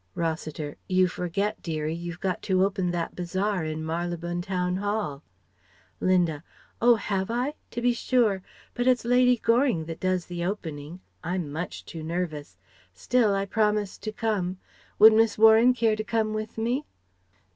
Rossiter: "You forget, dearie, you've got to open that Bazaar in Marylebone Town Hall " Linda: "Oh, have I? To be sure. But it's Lady Goring that does the opening, I'm much too nervous. Still I promised to come. Would Miss Warren care to come with me?"